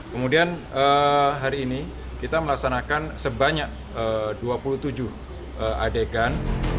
kemudian hari ini kita melaksanakan sebanyak dua puluh tujuh adegan